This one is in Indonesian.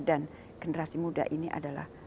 dan generasi muda ini adalah